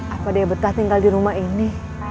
apa deh betah tinggal di rumah ini